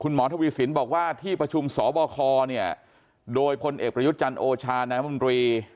คุณหมอธวีศิลป์บอกว่าที่ประชุมสอบครเนี่ยโดยพลเอกประยุทธ์จันทร์โอชาแนนมรี